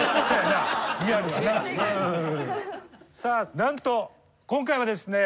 さあなんと今回はですね